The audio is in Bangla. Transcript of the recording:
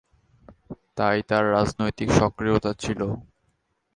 তাই তার রাজনৈতিক সক্রিয়তা ছিল।